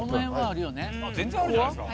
全然あるじゃないですか。